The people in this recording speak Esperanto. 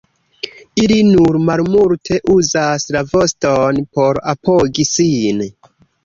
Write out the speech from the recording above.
Ili nur malmulte uzas la voston por apogi sin.